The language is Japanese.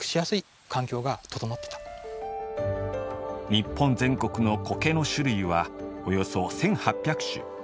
日本全国の苔の種類はおよそ１８００種。